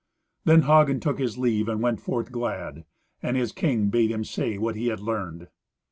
Then Hagen took his leave and went forth glad; and his king bade him say what he had learned.